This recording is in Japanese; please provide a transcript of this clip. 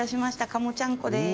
鴨ちゃんこです。